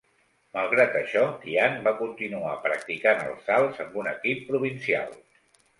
Malgrat això, Tian va continuar practicant els salts amb un equip provincial.